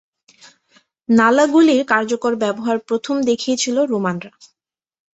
নালা গুলির কার্যকর ব্যবহার প্রথম দেখিয়েছিল রোমানরা।